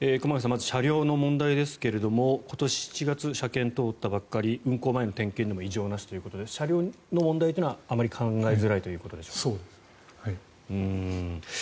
まず車両の問題ですが今年７月車検通ったばっかり運行前の点検でも異常なしということで車両の問題はあまり考えづらいということでしょうか。